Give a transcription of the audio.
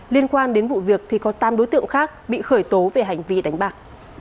liên quan đến vụ việc thì có tám đối tượng khác bị khởi tố về hành vi đánh bạc